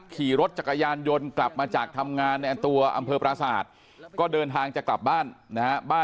ขี่รถจักรยานยนต์กลับมาจากทำงานในตัวอำเภอปราศาสตร์ก็เดินทางจะกลับบ้านนะฮะ